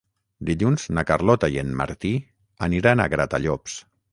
Dilluns na Carlota i en Martí aniran a Gratallops.